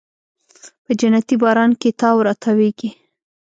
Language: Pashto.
په جنتي باران کې تاو راتاویږې